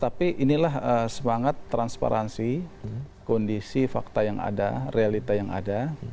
tapi inilah semangat transparansi kondisi fakta yang ada realita yang ada